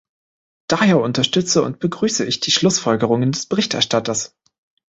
Daher unterstütze und begrüße ich die Schlussfolgerungen des Berichterstatters.